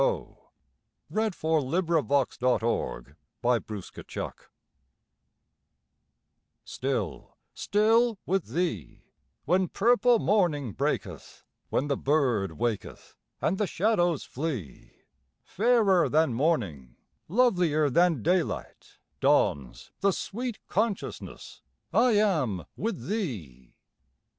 O P . Q R . S T . U V . W X . Y Z Still, Still with Thee STILL, still with Thee, when purple morning breaketh, When the bird waketh and the shadows flee; Fairer than morning, lovilier than daylight, Dawns the sweet consciousness I am with Thee.